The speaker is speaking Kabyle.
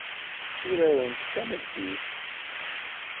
Tturarent tameddit.